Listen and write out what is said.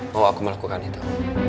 mau aku melakukan itu